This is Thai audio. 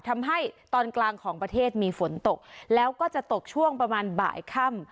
ทำให้ตอนกลางของประเทศมีฝนตกแล้วก็จะตกช่วงประมาณบ่ายค่ำ